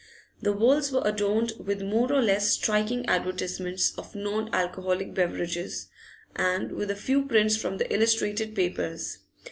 The walls were adorned with more or less striking advertisements of non alcoholic beverages, and with a few prints from the illustrated papers.